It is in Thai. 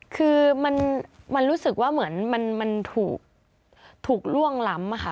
คือมันรู้สึกว่าเหมือนมันถูกล่วงล้ำค่ะ